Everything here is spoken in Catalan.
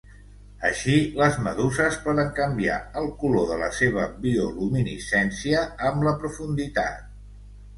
Així, les meduses poden canviar el color de la seva bioluminescència amb la profunditat.